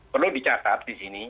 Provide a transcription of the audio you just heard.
perlu dicatat di sini